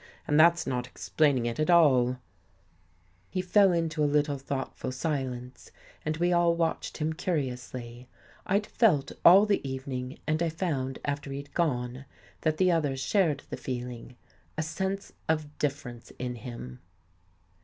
And that's not explaining it at all." 2 9 THE GHOST GIRL He fell into a little thoughtful silence and we all watched him curiously. I'd felt all the evening, and I found after he'd gone, that the others shared the feeling, a sense of difference in him.